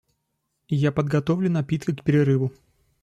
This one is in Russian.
Я подготовлю напитки к перерыву.